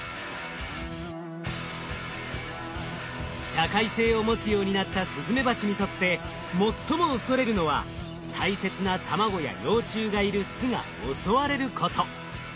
社会性を持つようになったスズメバチにとって最も恐れるのは大切な卵や幼虫がいる巣が襲われること。